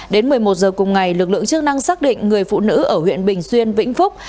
đến một mươi một giờ cùng ngày lực lượng chức năng xác định người phụ nữ ở huyện bình xuyên vĩnh phúc